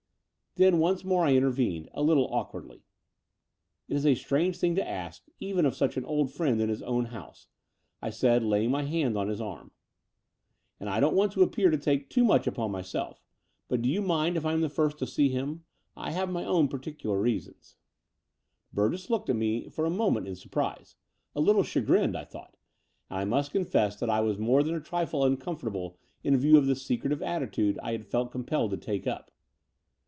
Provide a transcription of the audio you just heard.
Then once more I intervened, a little awkwardly. It is a strange thing to ask even of such an old friend in his own house,*' I said, laying my hand on his arm, "and I don't want to appear to take too much upon myself: but do you mind if I am the first to see him? I have my own particular reasons." 172 The Door of the Unreal Burgess looked at me for a moment in surprise — a little chagrined, I thought — and I must confess that I was more than a trifle uncomfortable in view of the secretive attitude I had felt compelled to take up.